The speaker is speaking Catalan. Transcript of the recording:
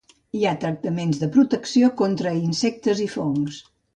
Hi ha tractaments de protecció, contra insectes i fongs.